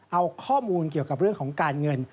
เอาข้อมูลเกี่ยวกับเรื่องของการเงิน